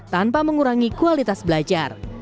tanpa mengurangi kualitas belajar